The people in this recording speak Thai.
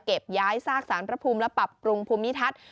ย้ายซากสารพระภูมิและปรับปรุงภูมิทัศน์